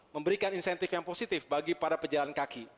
memberikan insentif yang positif bagi para pejalan kaki